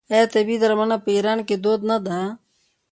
آیا طبیعي درملنه په ایران کې دود نه ده؟